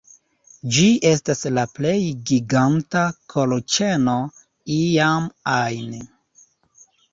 Ĝi estas la plej giganta kolĉeno iam ajn